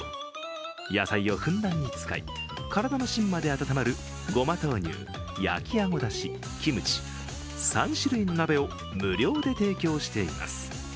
野菜をふんだんに使い、体の芯まで温まる、ごま豆乳、焼きあごだしキムチ、３種類の鍋を無料で提供しています。